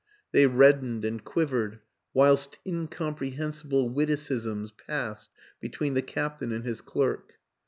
... They reddened and quivered whilst incomprehensible witticisms passed between the captain and his clerk.